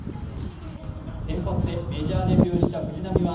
先発でメジャーデビューした藤浪は